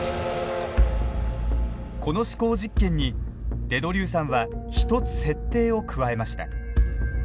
この思考実験にデ・ドリューさんは１つ設定を加えました。